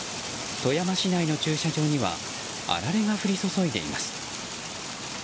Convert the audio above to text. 富山市内の駐車場にはあられが降り注いでいます。